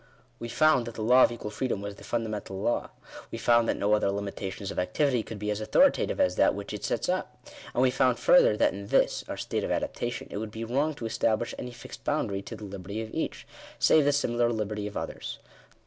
We found that the law of equal freedom was the fundamental law. We found (p. 82) that no other limitations of activity could be as authoritative as that which it sets up. And we found further (p. 89) that in this, our state of adaptation, it would be wrong to establish any fixed boundary to the liberty of each, save the similar liberty of others.